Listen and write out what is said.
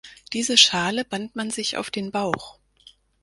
Diese Schale band man sich auf den Bauch.